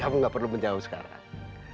kamu gak perlu menjauh sekarang